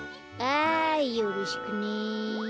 ああよろしくね。